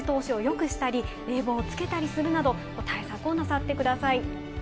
家の中でも風通しをよくしたり、冷房をつけたりするなどの対策をなさってください。